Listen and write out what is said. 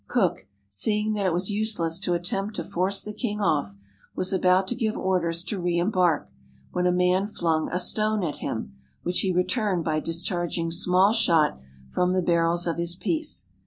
Cook, seeing that it was useless to attempt to force the king off, was about to give orders to reembark, when a man flimg a stone at him, which he returned by discharging small shot from the barrels of his piece.